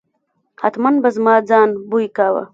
حتمآ به زما ځان بوی کاوه.